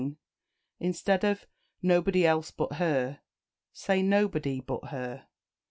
Instead of "Nobody else but her," say "Nobody but her."